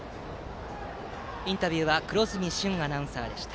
インタビューは黒住駿アナウンサーでした。